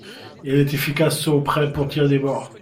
Elle est efficace au près, pour tirer des bords.